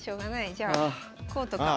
じゃあこうとか。